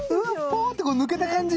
ポーンって抜けた感じ！